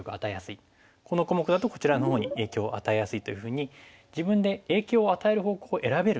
この小目だとこちらのほうに影響を与えやすいというふうに自分で影響を与える方向を選べる。